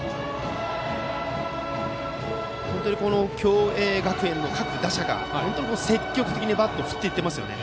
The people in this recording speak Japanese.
共栄学園の各打者が積極的にバットを振っていっていますよね。